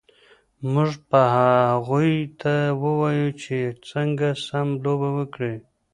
موږ به هغوی ته ووایو چې څنګه سم لوبه وکړي